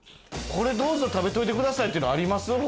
これどうぞ食べといてくださいっていうのあります？